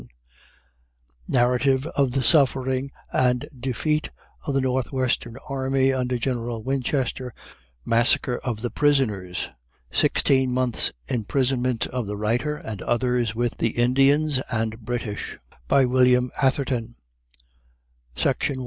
] NARRATIVE OF THE SUFFERING & DEFEAT OF THE NORTH WESTERN ARMY UNDER GENERAL WINCHESTER: MASSACRE OF THE PRISONERS; SIXTEEN MONTHS IMPRISONMENT OF THE WRITER AND OTHERS WITH THE INDIANS AND BRITISH: BY WILLIAM ATHERTON.